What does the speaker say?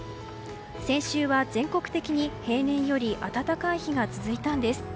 先週は全国的に平年より暖かい日が続いたんです。